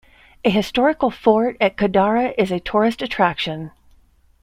A historical fort at Kharda is a tourist attraction.